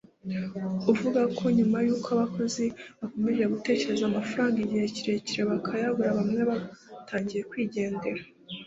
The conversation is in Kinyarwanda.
Avuga ko nyuma y’uko abakozi bakomeje gutegereza amafaranga igihe kirekire bakayabura bamwe batangiye kwigendera